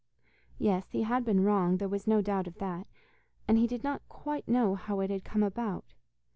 Yes, he had been wrong, there was no doubt of that, and he did not quite know how it had come about.